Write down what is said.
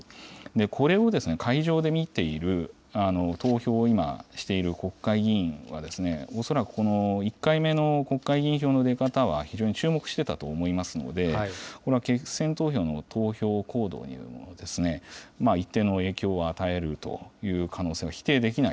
これを会場で見ている、投票を今している国会議員は、恐らくこの１回目の国会議員票の出方は非常に注目してたと思いますので、決選投票の投票行動にも、一定の影響を与えるという可能性